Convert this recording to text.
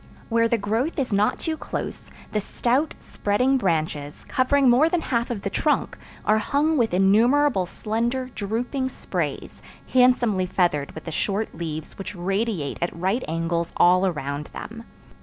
Where the growth is not too close, the stout, spreading branches, covering more than half of the trunk, are hung with innumerable slender, drooping sprays, handsomely feathered with the short leaves which radiate at right angles all around them.